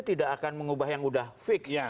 tidak akan mengubah yang udah fix